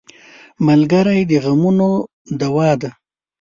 ملګری د غمونو دوا ده.